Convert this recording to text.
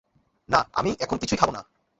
না, আমি এখন কিছুই খাব না।